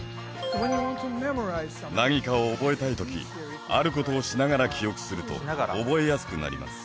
何かを覚えたい時あることをしながら記憶すると覚えやすくなります。